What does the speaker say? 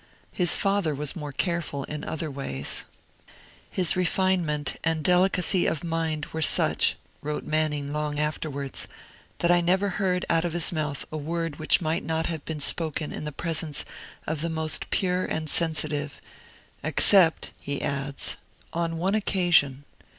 His father was more careful in other ways. 'His refinement and delicacy of mind were such,' wrote Manning long afterwards, 'that I never heard out of his mouth a word which might not have been spoken in the presence of the most pure and sensitive except,' he adds, 'on one occasion.